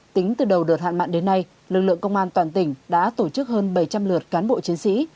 tính từ đầu đợt hạn mặn đến nay lực lượng công an toàn tỉnh đã tổ chức hơn bảy trăm linh lượt cán bộ chiến sĩ